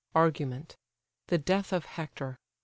ARGUMENT. THE DEATH OF HECTOR.